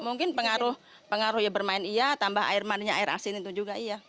mungkin pengaruh ya bermain iya tambah air maninya air asin itu juga iya